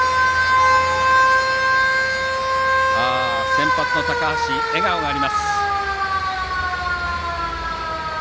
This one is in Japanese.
先発の高橋笑顔があります。